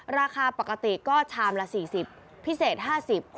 ราคาปกติก็ชามละ๔๐พิเศษ๕๐บาท